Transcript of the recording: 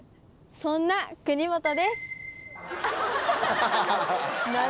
そんな国本です！